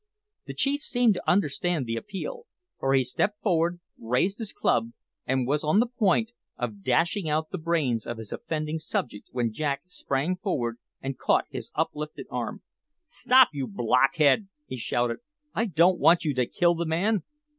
The chief seemed to understand the appeal; for he stepped forward, raised his club, and was on the point of dashing out the brains of his offending subject when Jack sprang forward and caught his uplifted arm. "Stop, you blockhead!" he shouted. "I don't want you to kill the man!"